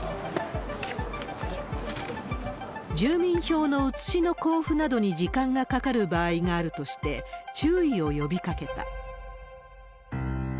住民票の写しの交付などに時間がかかる場合があるとして、注意を呼びかけた。